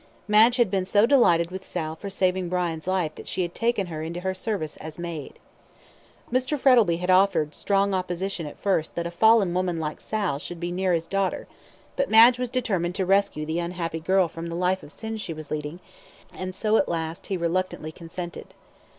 Madge had been so delighted with Sal for saving Brian's life that she had taken her into her service as maid. Mr. Frettlby had offered strong opposition at first that a fallen woman like Sal should be near his daughter; but Madge was determined to rescue the unhappy girl from the life of sin she was leading, and so at last he reluctantly consented.